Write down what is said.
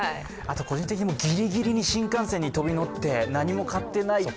個人的にギリギリに新幹線に飛び乗って、何も買っていないと